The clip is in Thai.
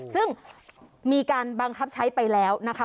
ซึ่งมีการบังคับใช้ไปแล้วนะคะ